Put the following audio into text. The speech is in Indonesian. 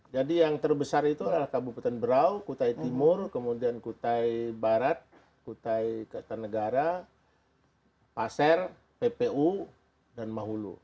jadi yang terbesar itu adalah kabupaten berau kutai timur kemudian kutai barat kutai ketanegara paser ppu dan mahulu